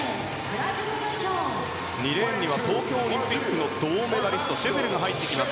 ２レーンには東京オリンピックの銅メダリストシェフェルが入ってきます。